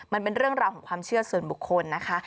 มันเป็นเรื่องราวของความเชื่อส่วนบุคคลนะคะ